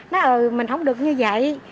nói ừ mình không được như vậy